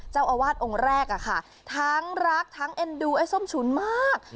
เจ้าอาวาสองค์แรกอะค่ะทั้งรักทั้งเอ็นดูไอ้ส้มฉุนมาก